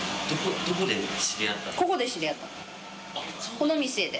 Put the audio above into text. この店で。